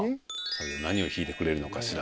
何を弾いてくれるのかしら。